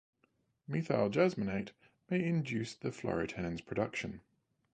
Methyl-jasmonate may induce the phlorotannins production.